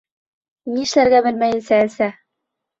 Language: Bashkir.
Ни эшләргә белмәйенсә эсә.